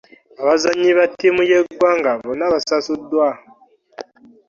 Abazannyi b'attiimu y'eggwanga bonna basasuddwa